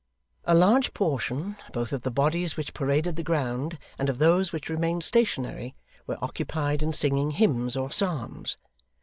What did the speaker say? A large portion, both of the bodies which paraded the ground, and of those which remained stationary, were occupied in singing hymns or psalms.